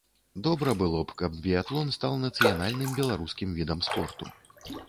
Добра было б, каб біятлон стаў нацыянальным беларускім відам спорту!